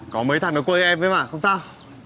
có mấy thằng ở quê em đấy mà không sao